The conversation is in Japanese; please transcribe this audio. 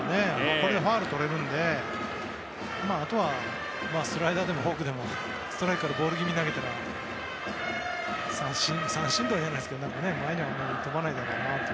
これでファウルがとれるのであとはスライダーでもフォークでもストライクからボール気味に投げたら三振とはいわないですけど前には飛ばないでしょうね。